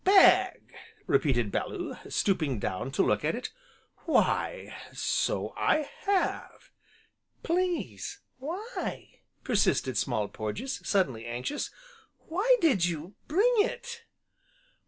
"Bag!" repeated Bellew, stooping down to look at it, "why so I have!" "Please why?" persisted Small Porges, suddenly anxious. "Why did you bring it?"